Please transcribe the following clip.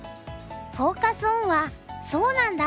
フォーカス・オンは「そうなんだ！？